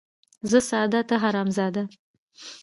ـ زه ساده ،ته حرام زاده.